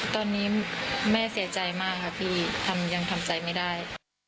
ตอนนี้แม่เสียใจมากค่ะพี่ยังทำใจไม่ได้